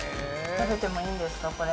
食べてもいいんですか、これ。